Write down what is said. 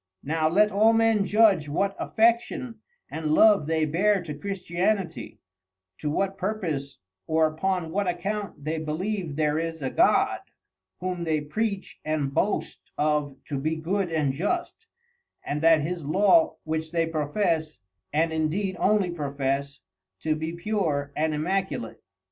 Now let all Men judge what Affection and love they bear to Christianity; to what purpose, or upon what account they believe there is a God, whom they preach and boast of to be Good and Just, and that his Law which they profess (and indeed only profess) to be pure and immaculate.